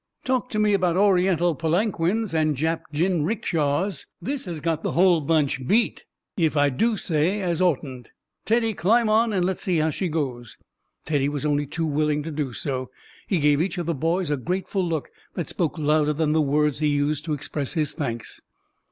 Talk to me about Oriental palanquins and Jap jinrickshas; this has got the whole bunch beat, if I do say it as oughtn't. Teddy, climb on, and let's see how she goes." Teddy was only too willing to do so. He gave each of the boys a grateful look that spoke louder than the words he used to express his thanks.